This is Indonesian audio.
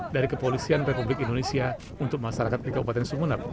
dari kepolisian republik indonesia untuk masyarakat di kabupaten sumeneb